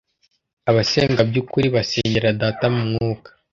abasenga by ukuri basengera data mu mwuka